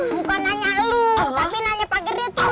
bukan nanya lu tapi nanya pager itu